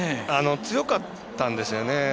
強かったんですよね。